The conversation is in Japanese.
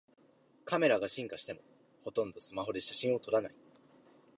カメラが進化してもほとんどスマホで写真を撮らない